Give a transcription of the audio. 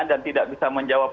dan tidak bisa menjawab